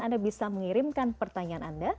anda bisa mengirimkan pertanyaan anda